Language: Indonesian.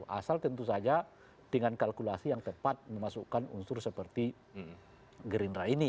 asal tentu saja dengan kalkulasi yang tepat memasukkan unsur seperti gerindra ini